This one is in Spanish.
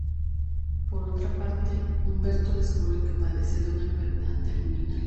Por otra parte, Humberto descubre que padece de una enfermedad terminal.